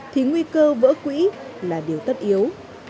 thì nguy cơ vỡ quỹ là điều tất yếu